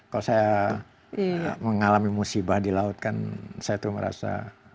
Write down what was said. kalau saya mengalami musibah di laut kan saya tuh merasa